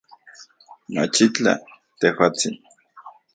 Machitlaj, tejuatsin